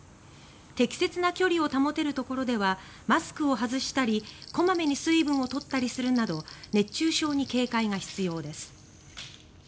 適切な距離を保てるところではマスクを外したり小まめに水分を取ったりするなど熱中症に警戒が必要です。